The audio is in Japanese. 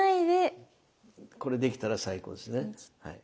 これできたら最高ですねはい。